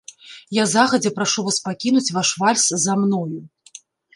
Я загадзя прашу вас пакінуць ваш вальс за мною.